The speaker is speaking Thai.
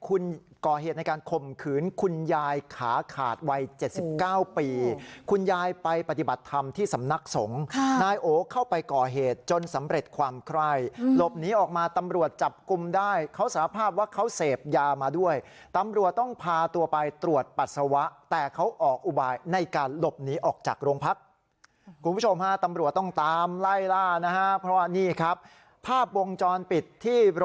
อะไรรู้ไหมคุณไปก่อเหตุคุณก่อเหตุในการคมขืนคุณยายขาขาดวัย๗๙ปีคุณยายไปปฏิบัติธรรมที่สำนักสงฆ์นายโอเข้าไปก่อเหตุจนสำเร็จความคล่ายหลบหนีออกมาตำรวจจับกุมได้เขาสาภาพว่าเขาเสพยามาด้วยตำรวจต้องพาตัวไปตรวจปัสสาวะแต่เขาออกอุบายในการหลบหนีออกจากโรงพักคุณผู้ชมฮะตำรวจต